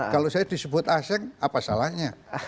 kalau saya disebut aseng apa salahnya